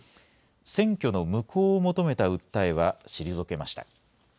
選挙の無効を求めた訴えは退けました。